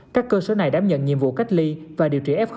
các cơ sở này đám nhận nhiệm vụ cách ly và điều trị f